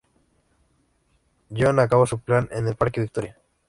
Llevan a cabo su plan en el parque Victoria.